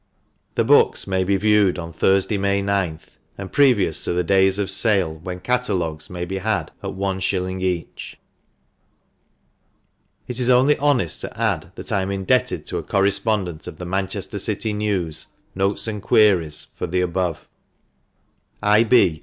" The Books may be viewed on Thursday, May 9th, and previous to the Days of Sale, when Catalogues may be had at one shilling each." It is only honest to add that I am indebted to a correspondent of the Manchester City News "Notes and Queries" for the above. I. B.